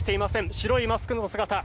白いマスクの姿。